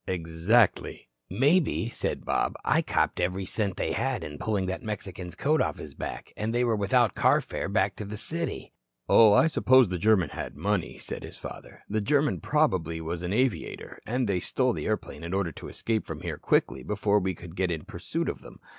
"Exactly." "Maybe," said Bob, "I copped every cent they had in pulling that Mexican's coat off his back, and they were without carfare back to the city." "Oh, I suppose the German had money," said his father. "The German probably was an aviator. And they stole the airplane in order to escape from here quickly before we could get in pursuit of them.